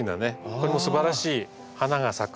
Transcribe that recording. これもすばらしい花が咲く